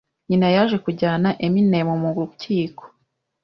Nyina yaje kujyana Eminem mu rukiko